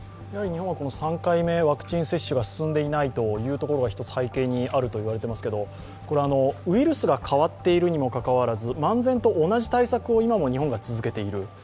３回目、ワクチン接種が進んでないところが背景にあると言われてますけどウイルスが変わっているにもかかわらず漫然と同じ対策を今も日本は続けている。